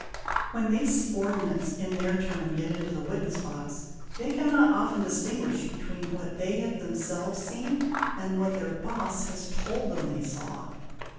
When these subordinates in their turn get into the witness box, they cannot often distinguish between what they have themselves seen and what their ' boss" has told them they saw.